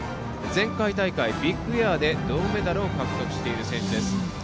前回大会、ビッグエアで銅メダルを獲得している選手です。